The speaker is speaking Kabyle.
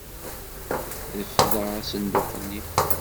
Refdeɣ asenduq-nni.